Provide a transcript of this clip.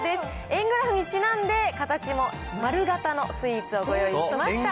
円グラフにちなんで、形も丸型のスイーツをご用意しました。